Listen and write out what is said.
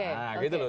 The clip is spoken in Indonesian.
nah gitu loh